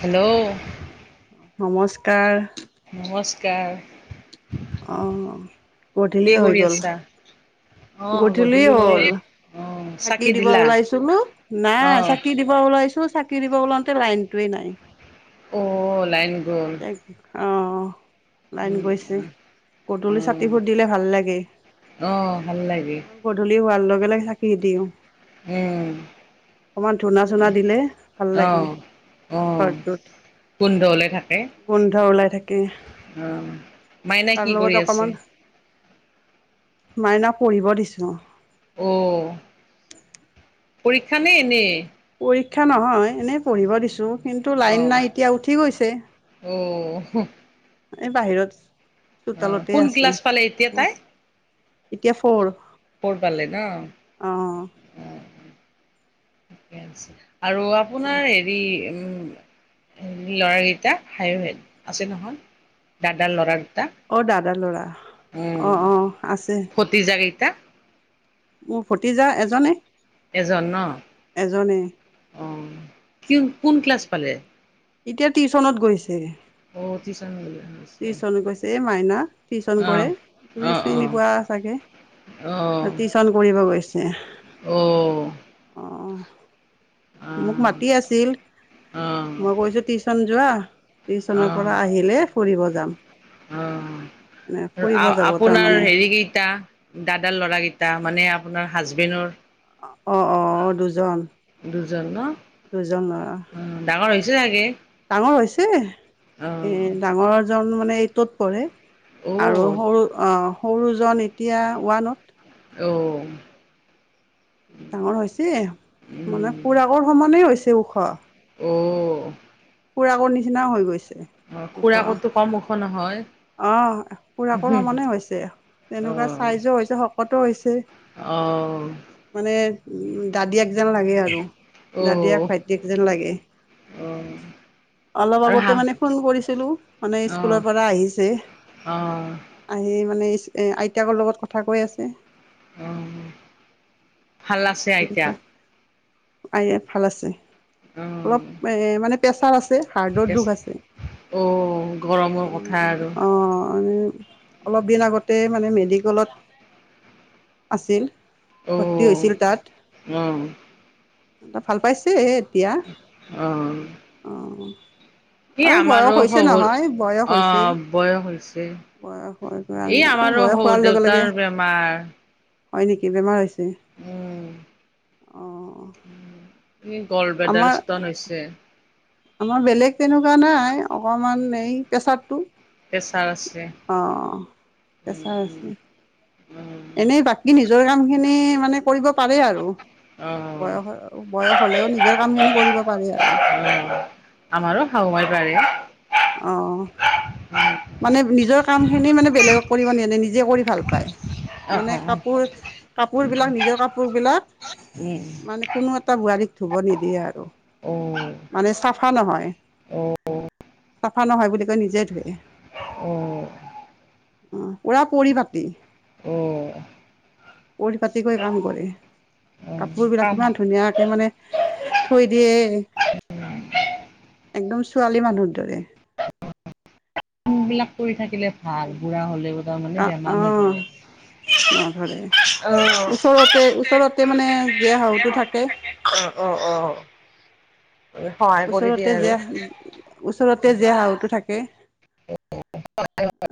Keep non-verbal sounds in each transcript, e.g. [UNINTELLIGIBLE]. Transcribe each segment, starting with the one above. Hello, নমস্কাৰ। কাৰ। অ' গধূলি হৈ কৰি গ'ল। আছা? গধূলি হ'ল অ' চাকি দিব দিলা ওলাইছিলো নাই অ' চাকি দিব ওলাইছিলোঁ চাকি দিব ওলাওঁতে লাইনটোৱে নাই। অ' লাইন গ'ল। অঁ' লাইন উম, গৈছে গদূলি উম, ছাতিবোৰ দিলে ভাল লাগেই। অ' অ' ভাল লাগে মই গধূলি হোৱাৰ লগ বেলেগে চাকি দিওঁ উম, অকমান ধূনা চুনা দিলে ভাল লাগে, অ' অ' ঘৰটোত গোন্ধ ওলাই থাকে গোন্ধ ওলাই থাকে অ' মাইনা তাৰ কি লগত কৰি আছে? অকমান মাইনা পঢ়িব দিছো। অ' পৰীক্ষা নে এনেই। পৰীক্ষা নহয় এনেই পঢ়িব দিছো, কিন্তু লাইন অ' নাই এতিয়া উঠি গৈছে। অ' এই বাহিৰত অ' চোতালতে কোন আছে। ক্লাছ পালে এতিয়া তাই। এতিয়া ফ'ৰ। ফৌৰ পালে ন। অ', ঠিকে আছে। আৰু আপোনাৰ হেৰি, উম ল'ৰা কেইটা [UNINTELLIGIBLE] ভেন, আছে নহয় দাদাৰ ল'ৰা অ' দাদা ল'ৰা। অ' অ' আছে। এটা [INAUDIBLE] ভতিজা এজনে এজন ন। এজনেই। অ' সি কোন ক্লাছ পালে? এতিয়া টিউচনত গৈছে। অ' তিউচান টিউশন গৈছে এই মাইনা, টিউশচন কৰে, অঁ তুমি অঁ চিনি অঁ পোৱা চাগে আৰু টিউশচন কৰিব গৈছে। [UNINTELLIGIBLE] অ'। অঁ। মোক মাতি আছিল, মই কৈছো টিউচন যোৱা টিউচনৰ অঁ অঁ পৰা আহিলে ফুৰিব যাম। এনে ফুৰিব অঁ, যাব আপোনাৰ তাৰমানে হেৰি কেইটা, দাদাৰ ল'ৰাকেইটা মানে আপোনাৰ হাজবেণ্ডৰ অ' অ' অ' দুজন, দুজন ন দুজন অ', [UNINTELLIGIBLE] ডাঙৰ হৈছে। এ অ', ডাঙৰ জন মানে এইটত পঢ়ে। আৰু অ', সৰু অ'। সৰুজন এতিয়া ওৱানত। অ'। ডাঙৰ হৈছে! মানে উম, খুৰাকৰ সমানেই হৈছে। [UNINTELLIGIBLE] ওখ। অ'। খুৰাকৰ নিচিনাও হৈ গৈছে। অ' ওখ খুৰাকোটো কম ওখ নহয়। অ' খুৰাকৰ সমানে হৈছে, তেনেকুৱা অ', চাইজও হৈছে শকতো হৈছে! অ', মানে [UNINTELLIGIBLE] দাদিয়া যেন লাগে আৰু দাদিয়া অ', ভাইটিয়েক যেন লাগে, অ', অলপ আৰু হা আগতে মানে ফোন কৰিছিলোঁ মানে অ', স্কুলৰ পৰা আহি অ'। এই মানে এচ এ আইতাকৰ লগত কথা কৈ আছে। অ'। ভাল আছে আইতা? আই আ ভাল আছে। অলপ, এ অ', মানে প্ৰেছাৰ আছ ছে, হাৰ্ডৰ দুখ আছে, অ', গৰমৰ কথা উম আৰু অ'। মানে অলপ দিন আগতে মানে মেডিকেলত আছিল। ভৰ্তি অ', হৈছিল। অ'। তাই ভাল পাইছে [UNINTELLIGIBLE] তিয়া অ'। ই আৰু বয়স আমাৰো হৈছে শহুৰ, নহয় বয়স হৈছে অ' বয়স হৈছে। বয়স হোৱাৰ কাৰণে ই এই আমাৰো বয়স হোৱাৰ শহুৰ লগে লগে দেউতাৰ বেমাৰ। হয় নেকি, বেমাৰ হৈছে? উম অ'-অ'। ই গল্ড বেডাল স্তন হৈছে। আমাৰ বেলেগ তেনেকুৱা নাই, অকমান এই প্ৰেছাৰটো। প্ৰেছাৰ আছে অ' উম প্ৰেছাৰ উম আছে। উম এনেই বাকী নিজৰ কামখিনি মানে কৰিব পাৰে আৰু অ বয়স, বয়স হলেও নিজৰ কামখিনি কৰিব পাৰে আৰু। অ আমাৰো শাহুমাই পাৰে অ' মানে নিজৰ কাম খিনি মানে বেলেগক কৰিব নে-নে, নি জে কৰি ভাল পায়। মানে কাপোৰ, কাপোৰবিলাক নিজৰ কাপোৰবিলাক উম, মানে কোনো এটা বোৱাৰীক ধুব নিদিয়ে আৰু। অ'। ফা নহয়। অ অ', উম অ চাফা নহয় বুলি কয় নিজে ধোৱে। উ। অ' পুৰা পৰিপাটী। অ'। পৰিপাটীকৈ কাম কৰে। কাপোৰবিলাক কাম ইমান ধুনীয়াকে মানে থৈ দিয়ে, একদম ছোৱালী মানুহ দৰে। বিলাক কৰি থাকিলে ভাল বুৰা হ'লেও তাৰমানে বেমাৰ আহ নধৰে নধৰে অ ওচৰতে ওচৰতে মানে জীয়া শাহুটো থাকে অ অ অ', সহায় কৰি দিয়ে ওচৰতে আৰু যেীয়া ওচৰতে জীয়া শাহুটো থাকে াকে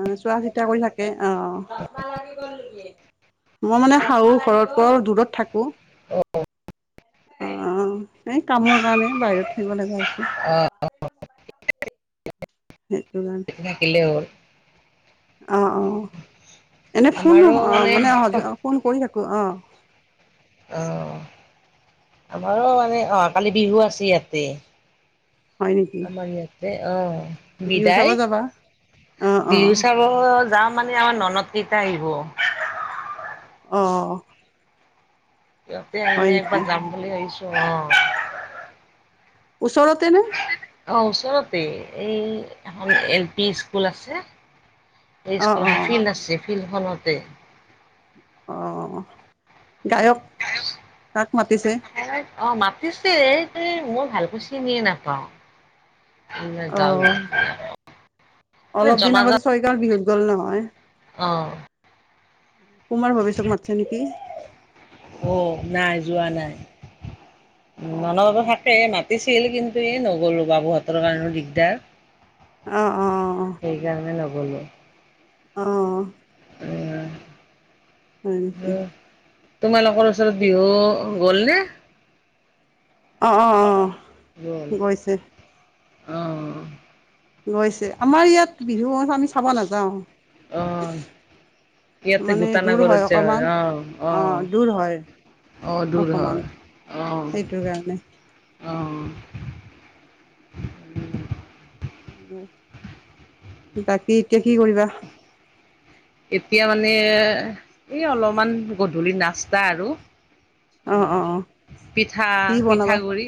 অ শোৱাস এা কৰিাক অ মই মানে শাহ ঘৰত পৰা দূৰত থাকো আহ এই কামৰ কাৰণে বাহিৰত থাকিব লগা হৈছে অ হয় থাকিলে হল অ অ এনে ফোন অ মানে অহ ফোন কৰি থাকো অ অ আমাৰো মানে অহ কালি বিহু আছে ইয়াতে হয় নেকি আমাৰ ইয়াতে অ বিহু চাব বিদায় যাবা অ অ বিহু চাব যাওঁ মানে আমাৰ ননদ কেইটা আহিব অ সিহঁতে আহিল হয় ব নেকি যাম বুলি আহাবিছো অ উওচৰতে ন অ', ওচৰতে এই এখন এল পি স্কুল আছে ছ অ ক অ ফীিল ন আছে ফিলখনতে অ গায়ক কাক মাতিছে অ মাতিছে এই মই ভালকৈ চিনিয়ে নাপাওঁ অ গাঁৱৰ অলপ দিন আগতে জনাজাত চয়কাৰ বিহুত গ'ল নহয় অ অ কুমাৰ ভৱষক মতিছে নেকি অ নাই যোৱা নাই উ মানাব অ থাকে মাতিছিল কিন্তু এই নগলো বাবুহঁতৰ কাৰণেও দিগদাৰ অ', অ', সেইকাৰণে নগলো অ উ হয়ক তোমালোকৰ ওচৰত বিহু গ'ল নে অ অ অ গৈছে আহঁ গৈছে আমাৰ ইয়াত বিহু আমি চাব নাযাও আহ ইয়াতে মানে দূৰ গোটানগৰত আছে হয় অকমান আহ অ', দূৰ হয় আহ আহ দূৰ অকমান হয় আহ। সেইটোৰ কাৰণে অ। উ বাকী এতিয়া কি কৰিবা? এতিয়া মানে এই অলপমান গধূলি নাস্তা আৰু উ অ', অ', অ', পিঠা কি বনাবা? পিঠাগুৰি।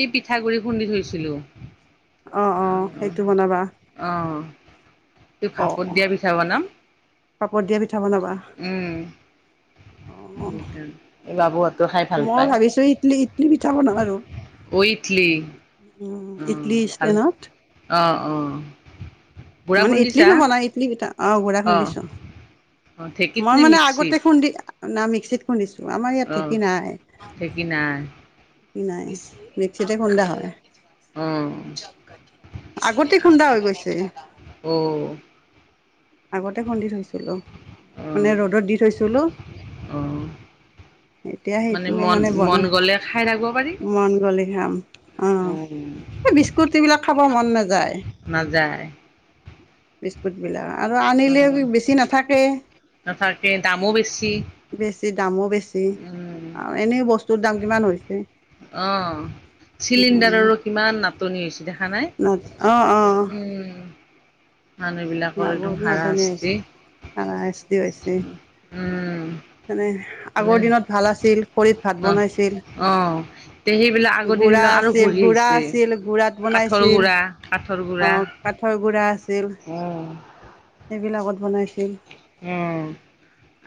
এই পিঠাগুড়ি খুন্দি থৈছিলো। অ', অ', সেইটো বনাবা অ'। তই অ', ভাপত অ', দিয়া পিঠা বনাম পাপৰ দিয়া পিঠা বনাবা উম। অ', বাবুহঁতো খাই ভাল মই পায়। ভাবিছো ইডলি ইডলি পিঠা বনাওঁ আৰু অ ইটলি উম ইডলী ভাল ইষ্টেনত। অ অ। গুড়া মানে ইডলি খুন্দিছা? ন বল ইডলি পিঠা। অ' গুড়া খুন্দিছোঁ, অ ঢেঁকীত মই নে মানে আগতে মিক্সিত? খুন্দি। ন মিক্সিত খুন্দিছোঁ। আমাৰ ইয়াত অ ঢেকি নাই। ঢেঁকী নাই নাই। মিক্সিতে খুন্দা হয়। অ অ আগতে খুন্দি থৈছিলো অ মানে ৰ'দত দি থৈছিলো অ এতিয়া সেইটো মন মানে মন বনাম গ'লে খাই থাকিব পাৰি। মন গ'লে। বি অ' উম এই বিস্কুট এইবিলাক খাব মন নাযায় নাযায় বি [UNINTELLIGIBLE] আৰু আনিলেও উম বেছি নাথাকে, নাথাকে দামো বেছি। বেছি দামো বেছি। উম আৰু এনে বস্তুৰ দাম কিমান হৈছে। অ' চিলিণ্ডাৰৰো কিমান নাটনি হৈছে দে ন অ', অ'। মানুহ বিলাকৰ একদম নত নাটনি হাৰাশাস্তি হৈছে উম [UNINTELLIGIBLE] মানে আগৰ দিনত ভাল আছিল খৰিত ভাত অ বনাইছিল। অ তে সেইবিলাক আগৰ দিন গুড়া বিলাক আৰু আছিল ঘূৰি গুড়া আহিছে আছিল গুড়াত কাঠৰ বনাইছিল। গুড়া অ' কাঠৰ গুড়া আছিল। উম। এই বিলাকত বনাইছে। উম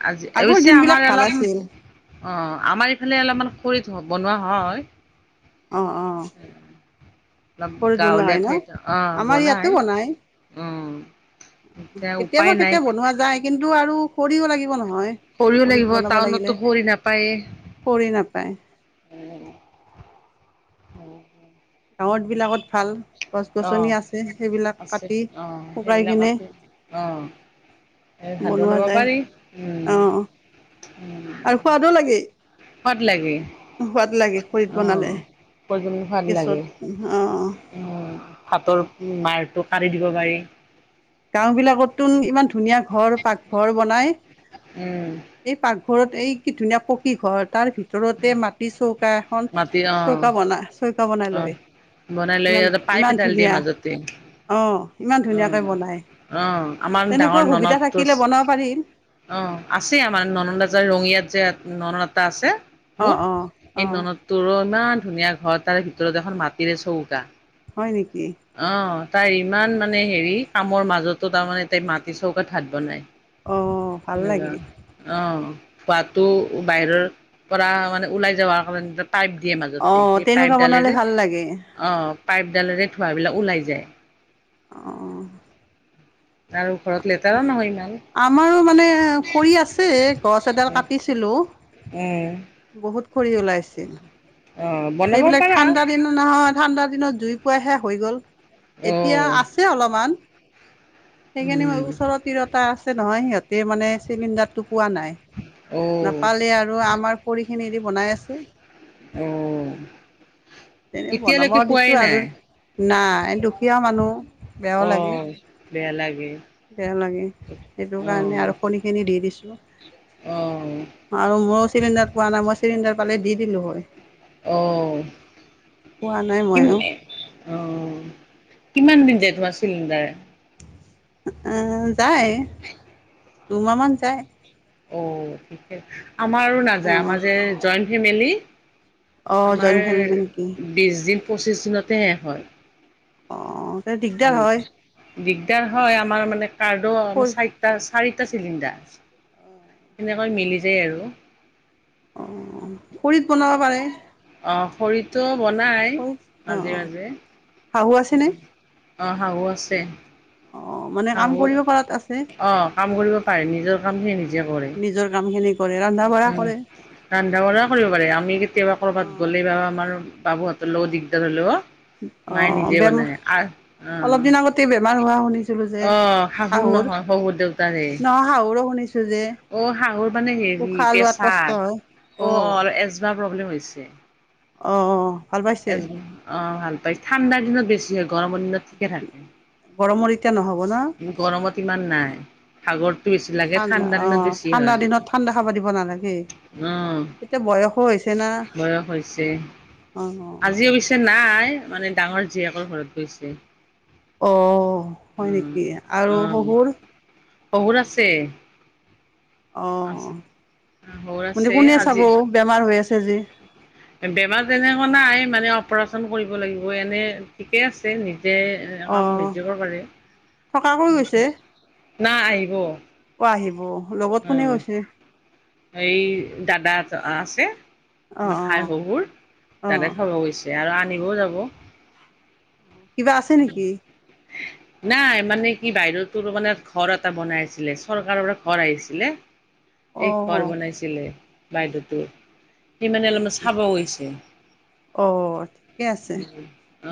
আজি আগৰ অৱস্যে দিনবিলাক আমাৰ ভাল অলপ আছিল অ' আমাৰ ইফালে অলপমান খৰি ত বনোৱা হয়। অ', অ। অলপ খৰিত বনোৱা গাঁৱলীয়া হয় ন ঠাইত অ আমাৰ ইয়াতো বনাই উম কেতিয়াবা কেতিয়া বনোৱা যায় কিন্তু আৰু খৰিও লাগিব নহয় খৰিও খৰিত লাগিব বনাব লাগিলে টাউনতটো কৰি নাপায়েই খৰি নাপায় হয় হয় গাঁৱত বিলাকত ভাল গছ অ গছনি আছে সেইবিলাক আছে কাটি অ শুকাই সেইবিলাক কিনে অ এই ভাত বনোৱা বনাব যায় পাৰি অ আৰু সোৱাদো লাগে সোৱাদ লাগে সোৱাদ লাগে খৰিত অ বনালে প্ৰজন সোৱাদ লাগে গেছত অ আহ ভাতৰ মাৰটো কাৰি দিব পাৰি গাঁও বিলাকো ইমান ধুনীয়া ঘৰ পাকঘৰ বনাই উম ঘৰত এই কি ধুনীয়া পকী ঘৰ তাৰ ভিতৰতে মাটি চৌক আ খন মাটি অ চৌকা বনা চৌকা বনাই অ লয় বনাই লৈ ইমান পাইপ ইমান এডাল দিয়ে ধুনীয়া মাজতে অ ইমান উম ধুনীয়াকৈ বনাই। অ আমাৰ তেনেকুৱা ডাঙৰ সুবিধা ননদটো থাকিলে বনাব পাৰিল অ আছে আমাৰ ননদ আছে ৰঙিয়াত যে ননদ এটা আছে অ মোৰ অ এই অ ননদটোৰ অ ইমান ধুনীয়া ঘৰ তাৰে ভিতৰত এখন মাটিৰে চৌকা হয় নেকি? অ, তাৰ ইমান মানে হেৰি কামৰ মাজতো তাৰমানে তাই মাটি চৌকাত হাত বনাই। অ ভাল তেনেকা লাগে অ', হোৱাতো বাহিৰৰ পৰা মানে ওলাই যাবাৰ কাৰণে। পাইপ দিয়ে অ মাজতে সেই তেনেকুৱা বনালে পাইপডালেৰে ভাল লাগে অ' পাইপডালেৰে ধোৱা বিলাক ওলাই যায়। অঁ, আৰু ঘৰত লেতেৰা নহয় ইমান। আমাৰো মানে খৰি আছে, গছ এডাল কাটিছিলো। উম, বহুত কৰি ওলাইছিল। অ', বনাব এইবিলাক পাৰা ঠাণ্ডা দিন নহয়। ঠাণ্ডা দিনত জুই পোৱাইহে হৈ গ'ল। এতিয়া অ', আছে অলপমান। সেইখিনি ম উম। ওচৰৰত ৰতা আছে নহয় সিহঁত গোটেই মানে চিলিণ্ডাৰটো। পোৱা নাই। অ', নাপালেই আৰু খৰি খিনি দি বনাই আছে। অঁ, তেনে বনাব এতিয়ালৈকে পোৱাই দিছোঁ আৰু নাই। নাই দুখীয়া মানুহ, বেয়াও লাগে অ', বেয়া লাগে বেয়া লাগে সেইটো কাৰণে অ', আৰু খৰি খিনি দি দিছো অ', আৰু মোৰ। চিলিণ্ডাৰত পোৱা নাই মই চিলিণ্ডাৰ পালে দি দিলো হয়। অহ, পোৱা নাই কি ময়ো অহ। কিমান দিন যায় তোমাৰ চিলিণ্ডাৰে। অহ' যায় দুমাহ মান যায়। অহ' ঠিকে। আমাৰো নাযায় অঁ আমাৰ যে জইণ্ট ফেমিলি। অ' আমাৰ জইণ্ট ফেমিলি নেকি বিশ দিন পঁচিছ দিনতে শেষ হয়। অ, দিগদাৰ সেনেকে হয়। দিগদাৰ হয় আমাৰ মানে কাৰ্ডো আমাৰ খৰি চাৰিটা চাৰি দুটা চিলিণ্ডাৰ, সেনেকৈ মিলি যায় আৰু অ খৰিত বনাব পাৰে। অ শৰীৰটো বনায়, খৰিত অ' অ' মাজে-মাজে, শাহু আছেনে? অ শাহু ছে অ' মানে কাম শাহু কৰিব পৰাত আছে আহ, কাম কৰিব পাৰে, নিজৰ কাম সি নিজে কৰে। নিজৰ কামখিনি কৰে ৰন্ধা বঢ়া উম কৰে ৰন্ধা-বঢ়া কৰিব পাৰে, আমি কেতিয়াবা কৰবাত অ' গ'লেই বা আমাৰ বাবুহঁতৰ লগত দিগদাৰ হ'লেও অ মায়ে নিজে বেমাৰ বনাই আ অলপ অ' দিন আগতে বেমাৰ হোৱা শুনিছিলো যে, অ', শাহুৰ, নহয় শহুৰ দেউতাৰে। নহয় শাহুৰো শুনি অ হাহুৰ মানে হেৰি লোৱাত কষ্ট প্ৰেছাৰ, হয় অ অল এজবা প্ৰব্লেম হৈছে। অঁ অ ভাল পাইছে এজন অ ভাল ঠাণ্ডা দিনত বেছি হ গৰমৰ দিনত ঠিকে থাকে। গৰমৰ নহব ন গৰমত ইমান নাই, সাগৰটো বেছি লাগে, ঠাণ্ডা দিনত অ' বেছি ঠাণ্ডা হয়, দিনত ঠাণ্ডা খাব দিব নালাগে অ' এতিয়া বয়সো হৈছে না বয়স হৈছে, অ', আজিও পিছে নাই মানে ডাঙৰ জীয়েকৰ ঘৰত গৈছ [INAUDIBLE] অ' হয় নেকি? আৰু শহুৰ? বহুত আছে অ আছে শহুৰ মানে আছে কোনে চাব আজি বেমাৰ হৈ আছে [INAUDIBLE] বেমাৰ তেনেকুৱা নাই মানে অপাৰেচন কৰিব লাগিব, এনে ঠিকে আছে নি এ কাম অ', নিজে কৰিব পাৰে, থকাকৈ গৈছে না আহিব, অ', আহিব লগত কোনে উম গৈছে এই দাদা আছে অ', খাই অ', শহুৰ, তাতে অ', থব গৈছে, আৰু আ আনিব যাব অ কিবা আছে নেকি? নাই, মানে কি বাহিৰতো মানে ঘৰ এটা বনাই আছিলে, চৰকাৰৰ পৰা ঘৰ আহিছিলে। এক ঘৰ অ', বনাইছিলে বাইদেউ সি মানে হয় নেকি অলপ অ, ঠিকে আছে। অ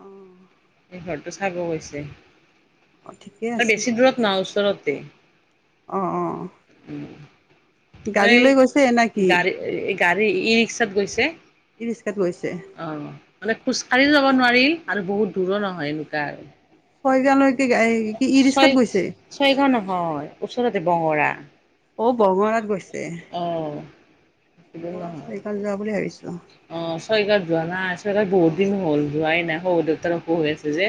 অ', সি ঘৰটো চাব গৈছে। অ', ঠিকে ত আছে বেছি দূৰত নহ-ওচ ওচৰতে। অ', অ', উম। গাড়ী লৈ গৈছে না কি? গাড়ীত। ই ৰিক্সাত গৈছে। ই-ৰিস্কাত গৈছে। অ মানে খোজকাঢ়ি যাব নোৱাৰি আৰু বহুত -চৰো নহয় এনেকুৱা আৰু। ছয় জান কি ই ৰিক্সাত ছয় গৈছে? ছয়গাঁও নহয় ওচৰতে বঙৰা। অ বঙৰাত গৈছে। অ দূৰ মই নহয় চাৰিকাত যোৱা বুলি ভাবিছো। অ চয়কাত যোৱা নাই চয়কাত বহুত অ', দিন হ'ল যোৱাই নাই। হ'। দউতাৰ অসুখ হৈ আছে যে।